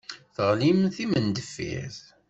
Teɣlim d timendeffirt.